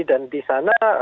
dan di sana